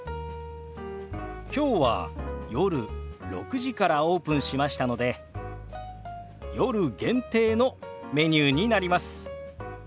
きょうは夜６時からオープンしましたので夜限定のメニューになります。